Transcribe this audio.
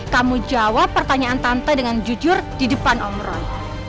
kamu jawab pertanyaan tante dengan jujur di depan om roy